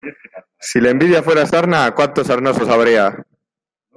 Si la envidia fuera sarna, cuantos sarnosos habría.